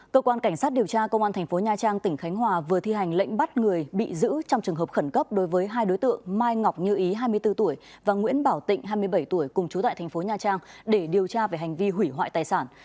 cơ quan cảnh sát điều tra công an thành phố nha trang tỉnh khánh hòa vừa thi hành lệnh bắt người bị giữ trong trường hợp khẩn cấp đối với hai đối tượng mai ngọc như ý hai mươi bốn tuổi và nguyễn bảo tịnh hai mươi bảy tuổi cùng chú tại thành phố nha trang để điều tra về hành vi hủy hoại tài sản